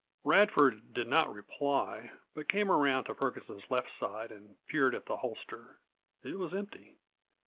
Radford did not reply, but came around to Ferguson's left side and peered at the holster. It was empty.